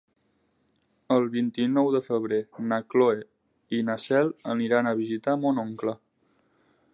El vint-i-nou de febrer na Cloè i na Cel aniran a visitar mon oncle.